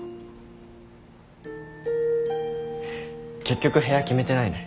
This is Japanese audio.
結局部屋決めてないね。